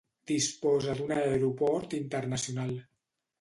Disposa d'un aeroport internacional.